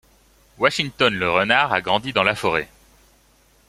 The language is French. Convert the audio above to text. Washington le renard a grandi dans la forêt.